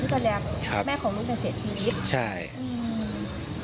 หลังจากที่กระแดงแม่ของลูกก็เสียชีวิต